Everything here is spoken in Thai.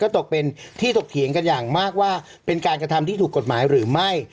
ตกเป็นที่ถกเถียงกันอย่างมากว่าเป็นการกระทำที่ถูกกฎหมายหรือไม่